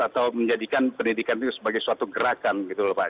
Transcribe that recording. atau menjadikan pendidikan itu sebagai suatu gerakan gitu loh pak